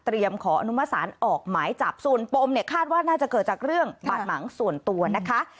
ขออนุมสารออกหมายจับส่วนปมเนี่ยคาดว่าน่าจะเกิดจากเรื่องบาดหมางส่วนตัวนะคะ